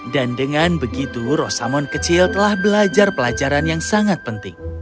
dan dengan begitu rosamon kecil telah belajar pelajaran yang sangat penting